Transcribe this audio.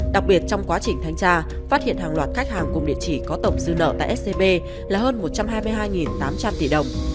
đặc biệt trong quá trình thanh tra phát hiện hàng loạt khách hàng cùng địa chỉ có tổng dư nợ tại scb là hơn một trăm hai mươi hai tám trăm linh tỷ đồng